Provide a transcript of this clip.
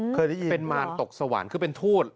เคยได้ยินเป็นมารตกสวรรค์คือเป็นทูต